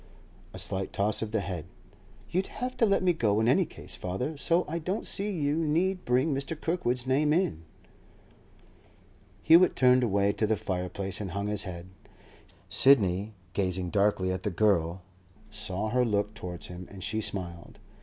A slight toss of the head. 'You'd have let me go in any case, father; so I don't see you need bring Mr. Kirkwood's name in.' Hewett turned away to the fireplace and hung his head. Sidney, gazing darkly at the girl, saw her look towards him, and she smiled.